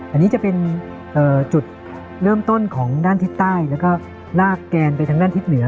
อันนี้จะเป็นจุดเริ่มต้นของด้านทิศใต้แล้วก็ลากแกนไปทางด้านทิศเหนือ